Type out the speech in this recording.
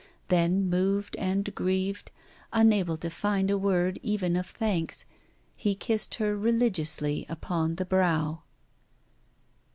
Then, moved and grieved, unable to find a word, even of thanks, he kissed her religiously upon the brow.